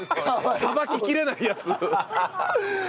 さばききれないヤツ。